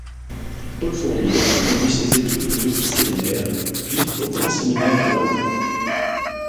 Paul Fournier conduit ses études au Petit Séminaire puis au Grand Séminaire à Langres.